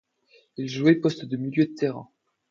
Il jouait poste de milieu de terrain.